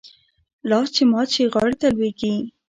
لاس چې مات شي ، غاړي ته لوېږي .